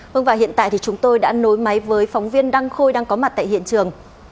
vâng và hiện tại thì chúng tôi đã nối máy với phóng viên đăng khôi đang có mặt tại hiện trường